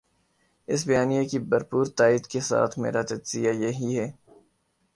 اس بیانیے کی بھرپور تائید کے ساتھ میرا تجزیہ یہی ہے